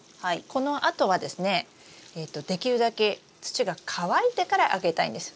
このあとはですねできるだけ土が乾いてからあげたいんです。